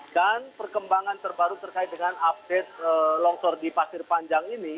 dan perkembangan terbaru terkait dengan update longsor di pasir panjang ini